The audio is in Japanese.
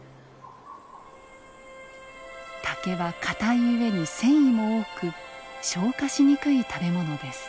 竹は硬い上に繊維も多く消化しにくい食べ物です。